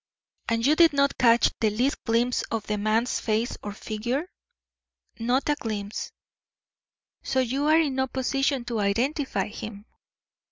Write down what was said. "And you did not catch the least glimpse of the man's face or figure?" "Not a glimpse." "So you are in no position to identify him?"